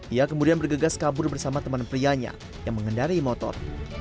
ia kemudian bergegas kabur bersama teman prianya yang mengendari motor